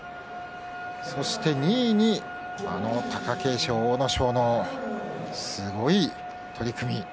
そして２位にあの貴景勝、阿武咲のすごい取組。